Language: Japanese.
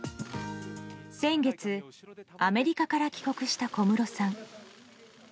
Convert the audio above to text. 先月、アメリカから帰国した小室さん。